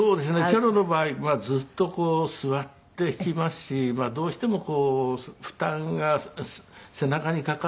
チェロの場合はずっとこう座って弾きますしどうしてもこう負担が背中にかかりますので。